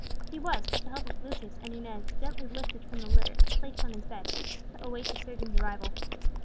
He was, with the help of Lucius and Inez, gently lifted from the litter and placed on his bed, to await the surgeon's arrival.